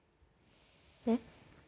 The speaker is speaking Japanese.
えっ？